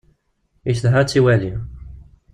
Icedha ad tt-iwali.